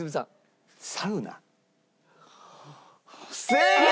正解！